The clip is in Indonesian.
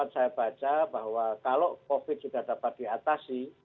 saya baca bahwa kalau covid sudah dapat diatasi